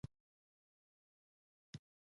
ایا زه سموسې وخورم؟